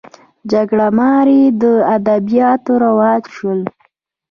جګړه مارۍ ادبیات رواج شول